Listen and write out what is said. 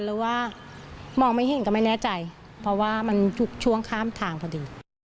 หรือว่ามองไม่เห็นก็ไม่แน่ใจเพราะว่ามันทุกช่วงข้ามทางพอดี